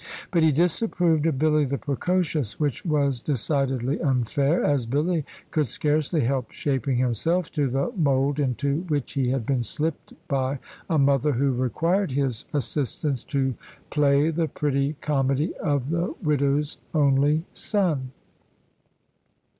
But he disapproved of Billy the precocious, which was decidedly unfair, as Billy could scarcely help shaping himself to the mould into which he had been slipped by a mother who required his assistance to play the pretty comedy of the widow's only son.